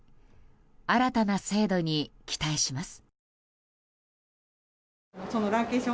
新たな制度に期待します。